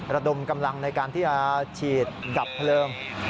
ระดมกำลังในการที่จะฉีดดับเพลิง